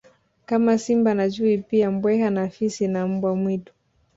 Kama simba na chui pia mbweha na fisi na mbwa mwitu